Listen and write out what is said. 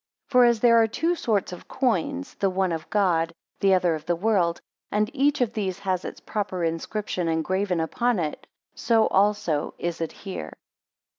2 For as there are two sorts of coins, the one of God, the other of the world, and each of these has its proper inscription engraven upon it; so also is it here.